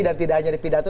dan tidak hanya di pidato